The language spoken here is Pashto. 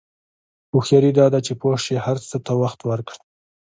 هوښیاري دا ده چې پوه شې هر څه ته وخت ورکړې.